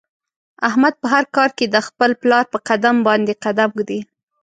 احمد په هر کار کې د خپل پلار په قدم باندې قدم ږدي.